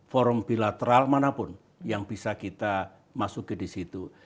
forum bilateral manapun yang bisa kita masuki di situ